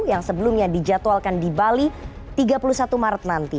yang sebelumnya dijadwalkan di bali tiga puluh satu maret nanti